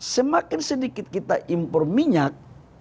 semakin sedikit kita impor minyak